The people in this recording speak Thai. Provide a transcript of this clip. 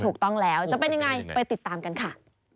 ถูกต้องแล้วจะเป็นยังไงไปติดตามกันค่ะ